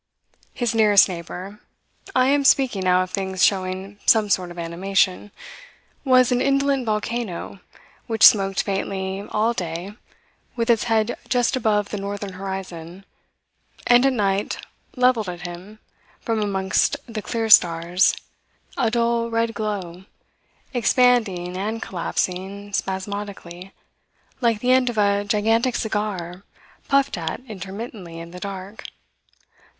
His nearest neighbour I am speaking now of things showing some sort of animation was an indolent volcano which smoked faintly all day with its head just above the northern horizon, and at night levelled at him, from amongst the clear stars, a dull red glow, expanding and collapsing spasmodically like the end of a gigantic cigar puffed at intermittently in the dark.